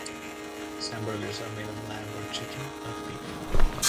Its hamburgers are made of lamb or chicken, not beef.